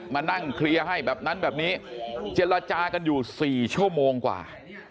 มานั่งเคลียร์ให้แบบนั้นแบบนี้เจรจากันอยู่๔ชั่วโมงกว่า